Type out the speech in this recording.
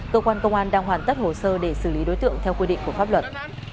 cơ quan công an đang hoàn tất hồ sơ để xử lý đối tượng theo quy định của pháp luật